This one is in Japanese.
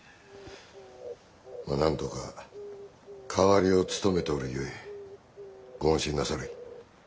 まあなんとか代わりを務めておるゆえご安心なされ。